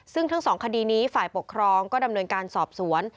ซึ่งทั้งสองคดีนี้ฝ่ายปกครองก็ดำเนินการสอบสวน